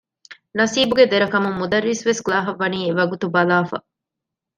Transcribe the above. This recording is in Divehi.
ނަސީބުގެ ދެރަ ކަމުން މުދައްރިސްވެސް ކްލާހަށް ވަނީ އެވަގުތު ބަލާފަ